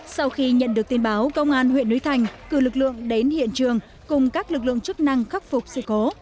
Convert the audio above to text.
sau khi nhận được tin báo công an huyện núi thành cử lực lượng đến hiện trường cùng các lực lượng chức năng khắc phục sự cố